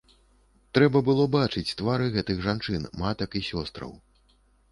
Трэба было бачыць твары гэтых жанчын, матак і сёстраў.